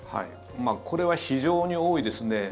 これは非常に多いですね。